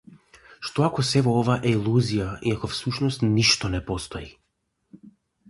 Што ако сево ова е илузија и ако всушност ништо не постои?